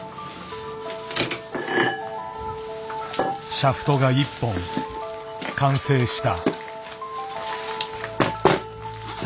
シャフトが１本完成した。